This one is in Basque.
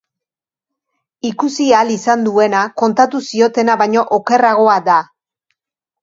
Ikusi ahal izan duena kontatu ziotena baina okerragoa da.